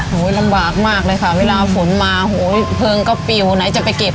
ลำบากมากเลยค่ะเวลาฝนมาโหเพลิงก็ปิวไหนจะไปเก็บ